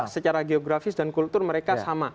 secara geografis dan kultur mereka sama